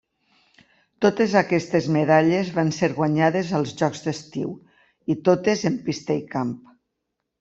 Totes aquestes medalles van ser guanyades als Jocs d'estiu, i totes en pista i camp.